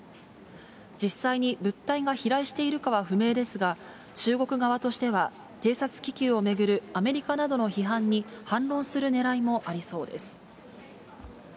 実際に物体が飛来しているかは不明ですが、中国側としては偵察気球を巡るアメリカなどの批判に反論するねらいもありそうです。